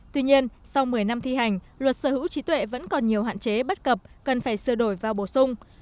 tuy nhiên sau một mươi năm thi hành luật sở hữu trí tuệ vẫn còn nhiều hạn chế bất cập cần phải sửa đổi và bổ sung